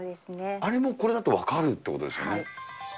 あれもこれだと分かるってことですよね。